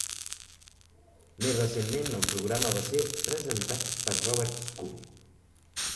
Més recentment, el programa va ser presentat per Robert Scully.